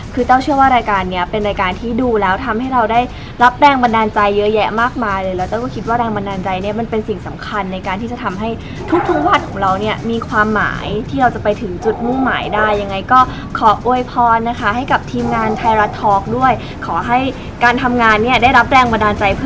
คือแต้วเชื่อว่ารายการเนี้ยเป็นรายการที่ดูแล้วทำให้เราได้รับแรงบันดาลใจเยอะแยะมากมายเลยแล้วแต้วก็คิดว่าแรงบันดาลใจเนี่ยมันเป็นสิ่งสำคัญในการที่จะทำให้ทุกทุกวันของเราเนี่ยมีความหมายที่เราจะไปถึงจุดมุ่งหมายได้ยังไงก็ขอโวยพรนะคะให้กับทีมงานไทยรัฐทอล์กด้วยขอให้การทำงานเนี่ยได้รับแรงบันดาลใจเพื่อ